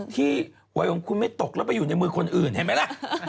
หวยของคุณไม่ตกแล้วไปอยู่ในมือคนอื่นเห็นไหมล่ะ